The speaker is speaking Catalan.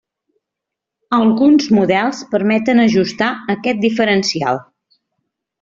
Alguns models permeten ajustar aquest diferencial.